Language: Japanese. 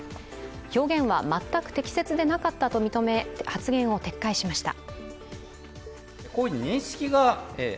表現は全く適切でなかったと認め、発言を撤回しました。